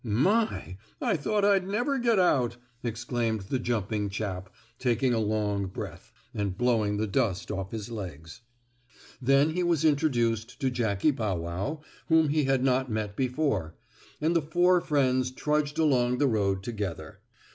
"My! I thought I'd never get out!" exclaimed the jumping chap, taking a long breath, and blowing the dust off his legs. Then he was introduced to Jackie Bow Wow, whom he had not met before, and the four friends trudged along the road together.